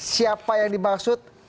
siapa yang dimaksud